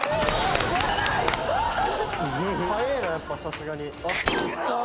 早えなやっぱさすがに。